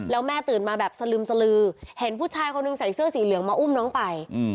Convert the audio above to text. แล้วแม่ตื่นมาแบบสลึมสลือเห็นผู้ชายคนหนึ่งใส่เสื้อสีเหลืองมาอุ้มน้องไป